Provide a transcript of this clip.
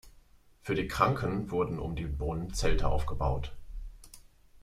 Für die Kranken wurden um den Brunnen Zelte aufgebaut.